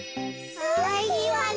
かわいいわね。